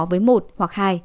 với một hoặc hai